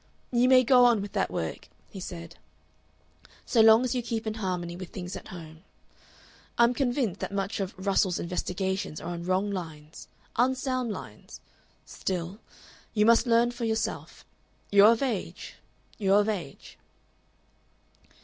"You may go on with that work," he said, "so long as you keep in harmony with things at home. I'm convinced that much of Russell's investigations are on wrong lines, unsound lines. Still you must learn for yourself. You're of age you're of age."